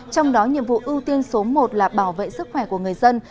trong đó nhiệm vụ ưu tiên số một là bảo vệ sức khỏe của người dân